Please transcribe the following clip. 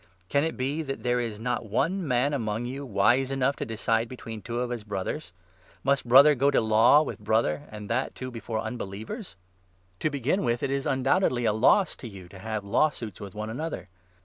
Can it be that there is 5 not one man among you wise enough to decide between two of his Brothers? Must Brother go to law with Brother, and 6 that, too, before unbelievers ? To begin with, it is undoubtedly 7 7 Exod. 12. 21. 13 Oeut. 22. 24. I. CORINTHIANS, e~7. 315 a loss to you to have lawsuits with one another.